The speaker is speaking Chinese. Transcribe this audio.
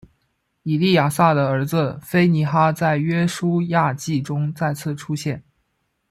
以利亚撒的儿子非尼哈在约书亚记中再次出现。